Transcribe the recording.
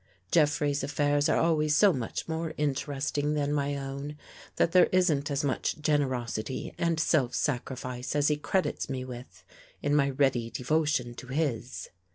Jeffrey's af fairs are always so much more interesting than my own that there isn't as much generosity and self sacrifice as he credits me with in my ready devotion to his.